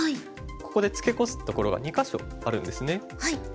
ここでツケコすところが２か所あるんですね。